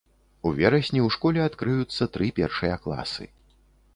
У верасні ў школе адкрыюцца тры першыя класы.